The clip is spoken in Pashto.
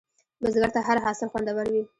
بزګر ته هره حاصل خوندور وي